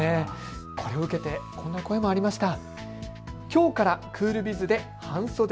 これを受けてこんな声もありました。